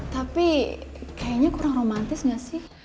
tapi kayaknya kurang romantis nggak sih